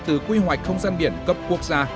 từ quy hoạch không gian biển cấp quốc gia